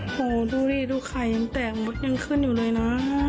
โหดูดิดูไข่ยังแตกมดยังขึ้นอยู่เลยนะ